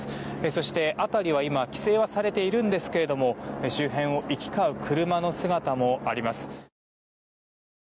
そして辺りは今規制はされているんですけども周辺を行き交う車の姿もあります。